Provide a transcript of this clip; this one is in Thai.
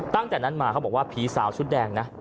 ตั้งแต่นั้นมาเขาบอกว่าผีสาวชุดแดงนะ